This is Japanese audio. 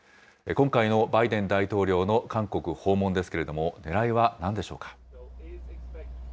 今回のバイデン大統領の韓国訪問ですけれども、ねらいはなんでしょうか。